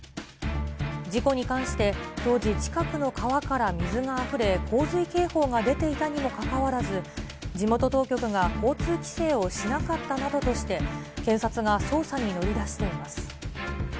事故に関して、当時、近くの川から水があふれ、洪水警報が出ていたにもかかわらず、地元当局が交通規制をしなかったなどとして、検察が捜査に乗り出しています。